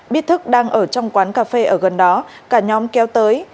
biết thức đang ở trong quán cà phê ở gần đó cả nhóm kéo tới